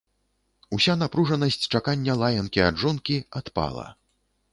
Уся напружанасць чакання лаянкі ад жонкі адпала.